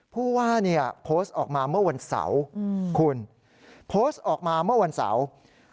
ผู้ว่าเนี่ยโพสต์ออกมาเมื่อวันเสาร์คุณโพสต์ออกมาเมื่อวันเสาร์